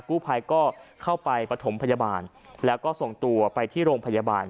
กู้ภัยก็เข้าไปปฐมพยาบาลแล้วก็ส่งตัวไปที่โรงพยาบาล